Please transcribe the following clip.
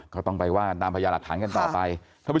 ก็ต้องไปว่าตามพยาหลักฐานกันต่อไป